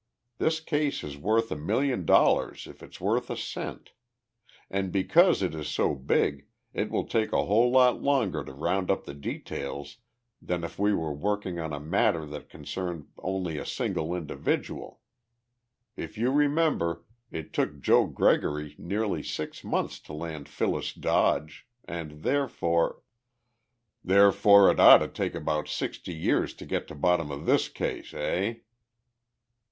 This case is worth a million dollars if it's worth a cent. And, because it is so big, it will take a whole lot longer to round up the details than if we were working on a matter that concerned only a single individual. If you remember, it took Joe Gregory nearly six months to land Phyllis Dodge, and therefore " "Therefore it ought to take about sixty years to get to the bottom of this case, eh?"